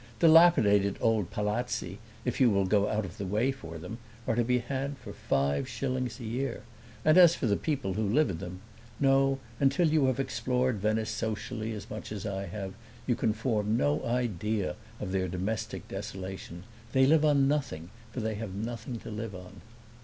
Dilapidated old palazzi, if you will go out of the way for them, are to be had for five shillings a year. And as for the people who live in them no, until you have explored Venice socially as much as I have you can form no idea of their domestic desolation. They live on nothing, for they have nothing to live on."